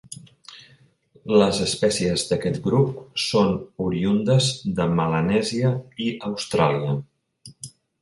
Les espècies d'aquest grup són oriündes de Melanèsia i Austràlia.